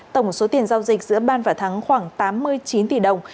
tổng số tiền giao dịch giữa ban và thắng khoảng tám mươi chín tỷ đồng